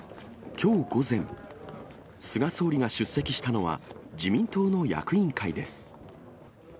きょう午前、菅総理が出席したのは、自民党の役員会です。